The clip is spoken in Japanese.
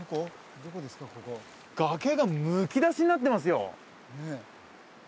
ここ崖がむき出しになってますよ